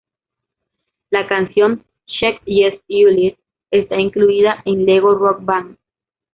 La canción "Check Yes Juliet" está incluida en "Lego Rock Band".